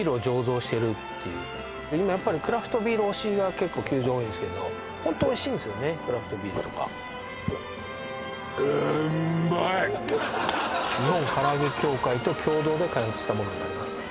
今やっぱりクラフトビール推しが結構球場多いんすけどホントおいしいんすよねクラフトビールとかしたものになります